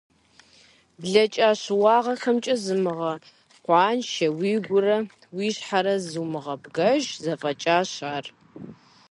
Блэкӏа щыуагъэхэмкӏэ зумыгъэкъуаншэ, уигурэ уи щхьэрэ зумыгъэбгъэж, зэфӏэкӏащ ар.